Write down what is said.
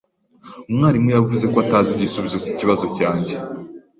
Umwarimu yavuze ko atazi igisubizo cyikibazo cyanjye.